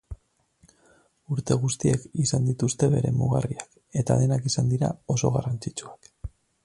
Urte guztiek izan dituzte bere mugarriak eta denak izan dira oso garrantzitsuak.